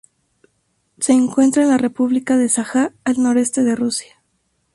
Se encuentra en la República de Sajá, al noreste de Rusia.